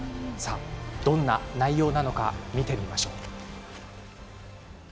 どんな内容なのか見てみましょう。